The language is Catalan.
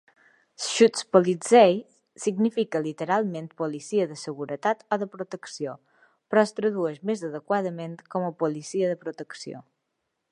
"Schutzpolizei" significa literalment policia de seguretat o de protecció, però es tradueix més adequadament com a policia de protecció.